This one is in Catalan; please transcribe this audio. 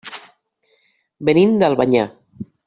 Venim d'Albanyà.